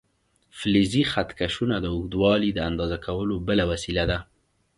فلزي خط کشونه د اوږدوالي د اندازه کولو بله وسیله ده.